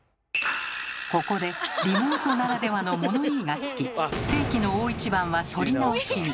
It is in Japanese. ここでリモートならではの物言いがつき世紀の大一番は取り直しに。